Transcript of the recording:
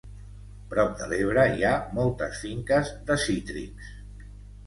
Prop de l'Ebre, hi ha moltes finques de cítrics.